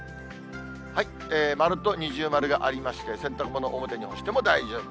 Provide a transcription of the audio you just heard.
丸と二重丸がありまして、洗濯物、表に干しても大丈夫。